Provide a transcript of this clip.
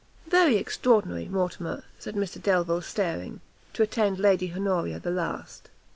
"Very extraordinary, Mortimer," said Mr Delvile, staring, "to attend Lady Honoria the last!"